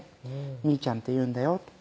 「みーちゃんっていうんだよ